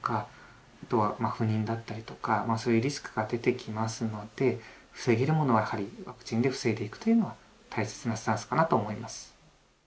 あとは不妊だったりとかそういうリスクが出てきますので防げるものはやはりワクチンで防いでいくというのは大切なスタンスかなと思います。